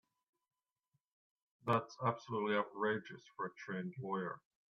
That's absolutely outrageous for a trained lawyer.